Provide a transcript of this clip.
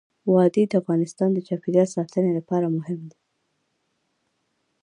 وادي د افغانستان د چاپیریال ساتنې لپاره مهم دي.